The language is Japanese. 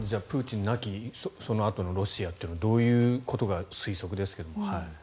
プーチンなきそのあとのロシアというのはどういうことが、推測ですが。